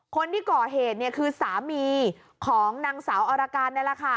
คนที่ก่อเหตุเนี่ยคือสามีของนางสาวอรการนี่แหละค่ะ